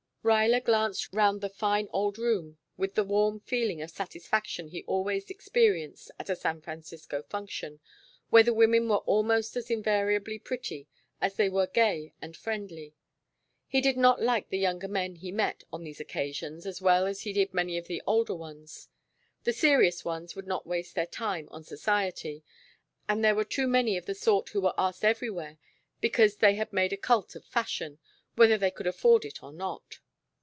Ruyler glanced round the fine old room with the warm feeling of satisfaction he always experienced at a San Francisco function, where the women were almost as invariably pretty as they were gay and friendly. He did not like the younger men he met on these occasions as well as he did many of the older ones; the serious ones would not waste their time on society, and there were too many of the sort who were asked everywhere because they had made a cult of fashion, whether they could afford it or not.